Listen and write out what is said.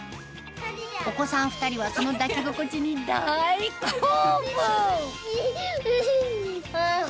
お子さん２人はその抱き心地に大興奮！